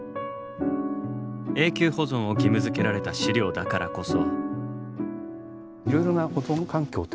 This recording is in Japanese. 永久保存を義務づけられた資料だからこそ。